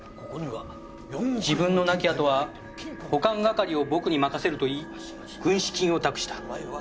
自分の亡き後は保管係を僕に任せると言い軍資金を託した。